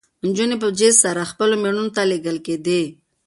نجونې به په جېز سره خپلو مېړونو ته لېږل کېدې.